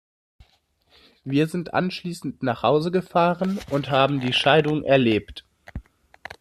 Wir sind anschließend nach Hause gefahren und haben die Scheidung erlebt!